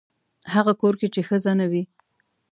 هغه کور کې چې ښځه نه وي.